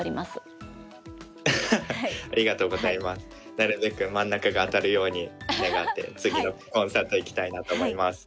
なるべく真ん中が当たるように願って次のコンサート行きたいなと思います。